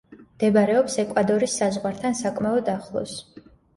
მდებარეობს ეკვადორის საზღვართან საკმაოდ ახლოს.